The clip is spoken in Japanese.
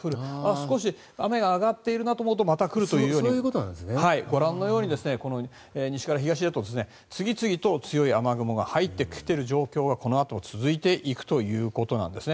少し雨が上がっているなと思うとまた来るというふうにご覧のように西から東へと次々と強い雨雲が入ってきている状況がこのあと、続いていくということなんですね。